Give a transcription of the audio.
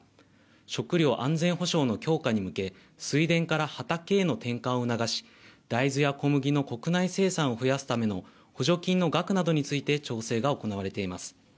食料安全保障の強化に向け水田から畑への転換を促し大豆や小麦の国内生産を増やすための補助金の額などについて調整が行われています。